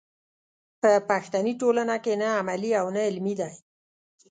په پښتني ټولنه کې نه عملي او نه علمي دی.